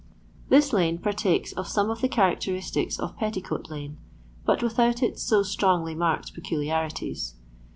This lane partakes of some of the characteris tics of Petticoat lane, but without its so strongly marked peculiarities.